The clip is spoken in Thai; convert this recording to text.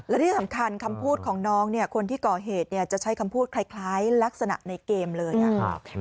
และที่สำคัญคำพูดของน้องเนี่ยคนที่ก่อเหตุเนี่ยจะใช้คำพูดคล้ายลักษณะในเกมเลย